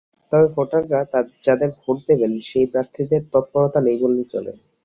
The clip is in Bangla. তবে ভোটাররা যাঁদের ভোট দেবেন, সেই প্রার্থীদের তত্পরতা নেই বললেই চলে।